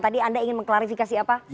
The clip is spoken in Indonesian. tadi anda ingin mengklarifikasi apa